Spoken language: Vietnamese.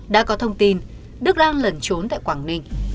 đã có thông tin đức đang lẩn trốn tại quảng ninh